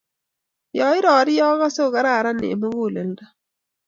ya I rarie akase ko kararan eng muguleldo